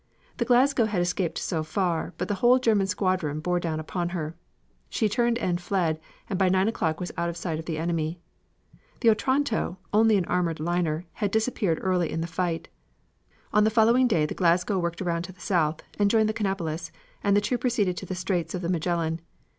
The Glasgow had escaped so far, but the whole German squadron bore down upon her. She turned and fled and by nine o'clock was out of sight of the enemy. The Otranto, only an armed liner, had disappeared early in the fight. On the following day the Glasgow worked around to the south, and joined the Canopus, and the two proceeded to the Straits of the Magellan.